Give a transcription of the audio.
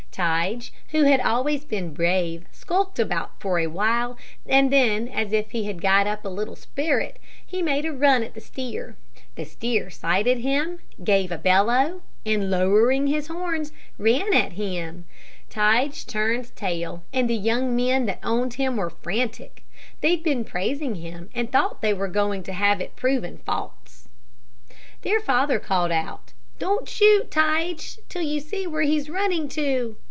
Tige, who had always been brave, skulked about for a while, and then, as if he had got up a little spirit, he made a run at the steer. The steer sighted him, gave a bellow, and, lowering his horns, ran at him. Tige turned tail, and the young men that owned him were frantic. They'd been praising him, and thought they were going to have it proven false. Their father called out: 'Don't shoot Tige, till you see where he's running to.'